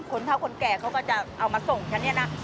คนเท่าคนแก่เขาก็จะเอามาส่งแบบนี้นะ